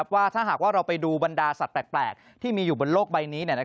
ว่าถ้าหากว่าเราไปดูบรรดาสัตว์แปลกที่มีอยู่บนโลกใบนี้